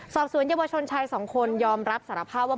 สอบสวนเยาวชนชายสองคนยอมรับสารภาพว่า